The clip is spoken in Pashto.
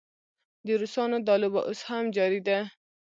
د روسانو دا لوبه اوس هم جاري ده.